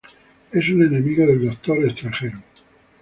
Es un enemigo del Doctor Strange.